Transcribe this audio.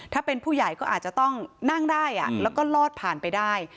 ถ้าเป็นผู้ใหญ่ก็อาจจะต้องนั่งได้แล้วก็ลอดผ่านไปได้